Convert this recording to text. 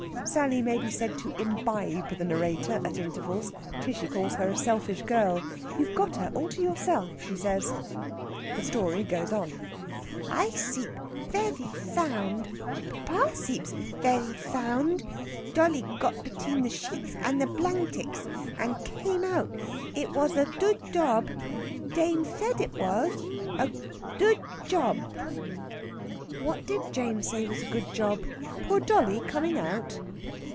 Sally may be said to imbibe the narrator at intervals. Tishy calls her a selfish girl. "You've got her all to yourself," she says. The story goes on: "I seep vethy thound. Papa seeps vethy thound. Dolly got between the theets and the blangticks, and came out. It was a dood dob. Dane said it was a dood dob!" "What did Jane say was a good job? Poor dolly coming out?"